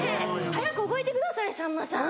早く覚えてくださいさんまさん。